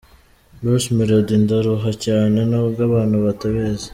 Bruce Melody: Ndaruha cyane nubwo abantu batabizi.